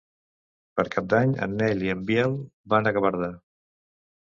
Per Cap d'Any en Nel i en Biel van a Gavarda.